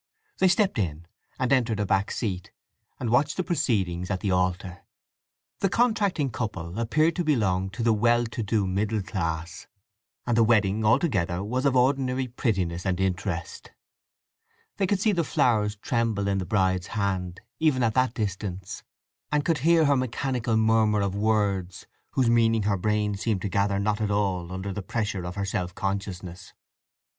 They stepped in, and entered a back seat, and watched the proceedings at the altar. The contracting couple appeared to belong to the well to do middle class, and the wedding altogether was of ordinary prettiness and interest. They could see the flowers tremble in the bride's hand, even at that distance, and could hear her mechanical murmur of words whose meaning her brain seemed to gather not at all under the pressure of her self consciousness.